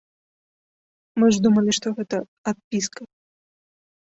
Мы ж думалі, што гэта адпіска.